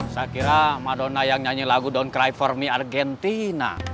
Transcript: saya kira madonna yang nyanyi lagu don't cry for me argentina